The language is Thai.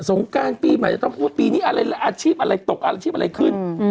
งการปีใหม่จะต้องพูดปีนี้อะไรอาชีพอะไรตกอาชีพอะไรขึ้น